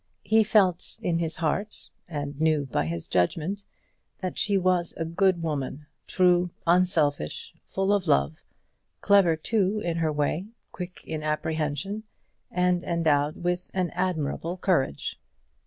He felt, in his heart, and knew by his judgment, that she was a good woman, true, unselfish, full of love, clever too in her way, quick in apprehension, and endowed with an admirable courage.